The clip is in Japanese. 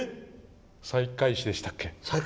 西海市でしたっけ。